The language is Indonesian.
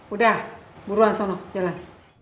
udah buruan sono jalan